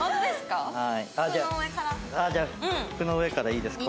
服の上からいいですか？